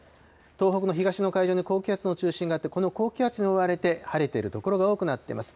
東北の東の海上に高気圧の中心があって、この高気圧に覆われて、晴れている所が多くなっています。